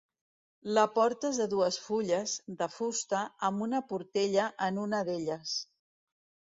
La porta és de dues fulles, de fusta, amb una portella en una d'elles.